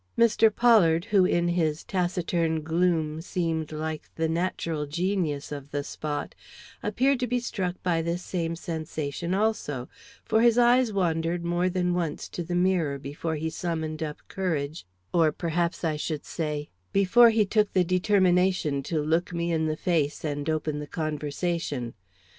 Mr. Pollard, who in his taciturn gloom seemed like the natural genius of the spot, appeared to be struck by this same sensation also, for his eyes wandered more than once to the mirror, before he summoned up courage, or, perhaps, I should say, before he took the determination to look me in the face and open the conversation.